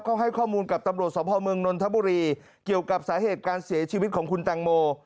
เขาให้ข้อมูลกับตำรวจสภเมืองนนทบุรีเกี่ยวกับสาเหตุการเสียชีวิตของคุณแตงโม